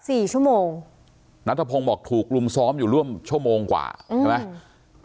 สี่ชั่วโมงนัทพงศ์บอกถูกลุมซ้อมอยู่ร่วมชั่วโมงกว่าอืมใช่ไหม